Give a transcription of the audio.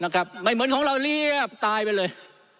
ไม่เหมือนของเราเรียบตายไปเลย